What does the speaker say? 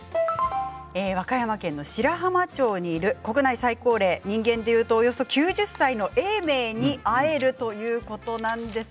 和歌山県の白浜町にいる国内最高齢、人間でいうとおよそ９０歳の永明に会えるということなんです。